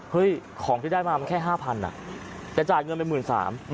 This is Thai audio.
เฮ้ยของที่ได้มามันแค่๕๐๐๐อ่ะแต่จ่ายเงินไปหมื่นสาม